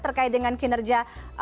terkait dengan kinerja